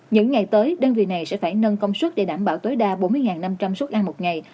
những ngày tới đơn vị này sẽ phải nâng công suất để đảm bảo tối đa bốn mươi năm trăm linh suất ăn một ngày